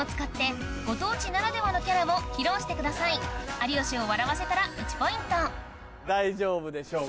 有吉を笑わせたら１ポイント大丈夫でしょうか？